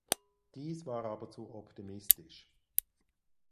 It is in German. Dies war aber zu optimistisch.